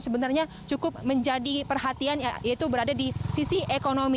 sebenarnya cukup menjadi perhatian yaitu berada di sisi ekonomi